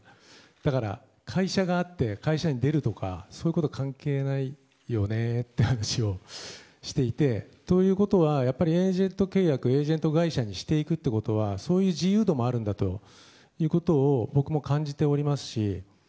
だから会社があって会社を出るとかそういうことは関係ないよねっていう話をしていてということは、エージェント契約エージェント会社にしていくことはそういう自由度もあるんだということを僕も感じております。